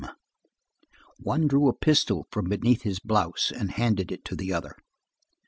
33 One drew a pistol from beneath his blouse and handed it to the other.